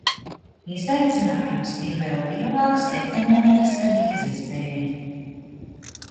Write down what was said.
Izaicinājums ir vēl lielāks ekonomikas krīzes dēļ.